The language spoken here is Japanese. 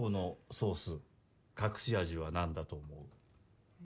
ソース隠し味は何だと思う？